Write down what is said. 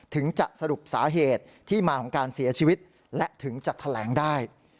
ถึงจะสรุปสาเหตุที่มาของการเสียชีวิตและถึงจะแถลงได้